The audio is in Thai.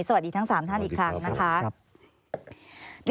สวัสดีทั้ง๓ท่านอีกครั้งนะคะ